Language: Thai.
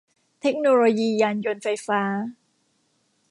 เทคโนโลยียานยนต์ไฟฟ้า